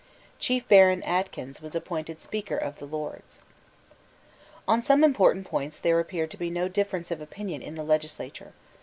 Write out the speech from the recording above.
Chief Baron Atkyns was appointed Speaker of the Lords, On some important points there appeared to be no difference of opinion in the legislature.